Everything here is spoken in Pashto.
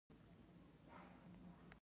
افغانستان د تنوع له مخې پېژندل کېږي.